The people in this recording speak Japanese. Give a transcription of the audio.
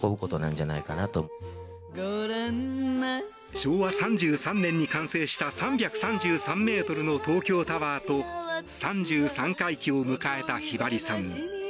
昭和３３年に完成した３３３ｍの東京タワーと３３回忌を迎えたひばりさん。